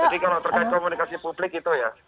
jadi kalau terkait komunikasi publik itu ya